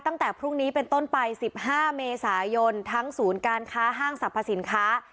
ตั้งแต่พรุ่งนี้เป็นต้นไป๑๕เมษายนทั้งศูนย์การค้าห้างสรรพสินค้า